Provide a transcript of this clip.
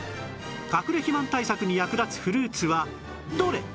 かくれ肥満対策に役立つフルーツはどれ？